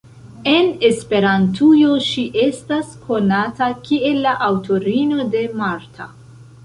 En Esperantujo ŝi estas konata kiel la aŭtorino de "Marta.